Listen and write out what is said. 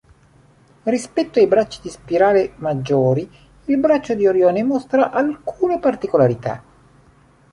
Rispetto ai bracci di spirale maggiori, il Braccio di Orione mostra alcune particolarità.